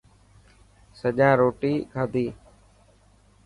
سڄان روتي کاڌي.